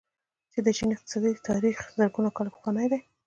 د چین اقتصادي تاریخ زرګونه کاله پخوانی دی.